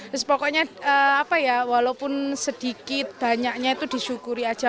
terus pokoknya apa ya walaupun sedikit banyaknya itu disyukuri aja